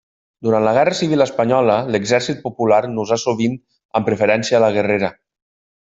Durant la Guerra Civil Espanyola l'Exèrcit Popular n'usà sovint amb preferència a la guerrera.